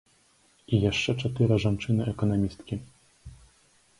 І яшчэ чатыры жанчыны эканамісткі.